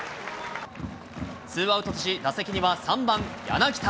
ツーアウトとし、打席には３番柳田。